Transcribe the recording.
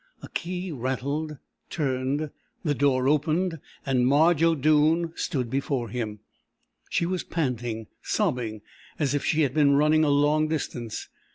A key rattled, turned; the door opened and Marge O'Doone stood before him! She was panting sobbing, as if she had been running a long distance.